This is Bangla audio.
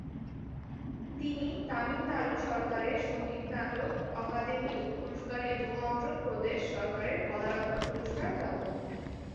তিনি তামিলনাড়ু সরকারের সংগীত নাটক অকাদেমি পুরস্কার এবং অন্ধ্র প্রদেশ সরকারের কলা রত্ন পুরস্কার প্রাপক।